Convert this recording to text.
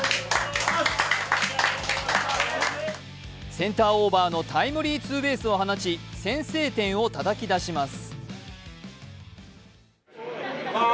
センターオーバーのタイムリーツーベースを放ち、先制点をたたき出します。